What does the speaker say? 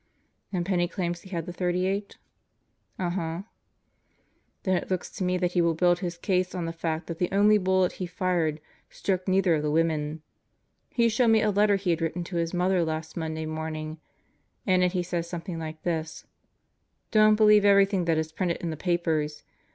"And Penney claims he had the .38?" "Uh huh." "Then it looks to me that he will build his case on the fact that the only bullet he fired struck neither of the women. He showed me a letter he had written to his mother last Monday morning. In it he said something like this: 'Don't believe every thing that is printed in the papers.